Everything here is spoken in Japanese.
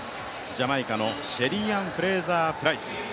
ジャマイカのシェリーアン・フレイザープライス。